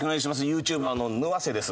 ＹｏｕＴｕｂｅｒのヌワセです。